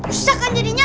usah kan jadinya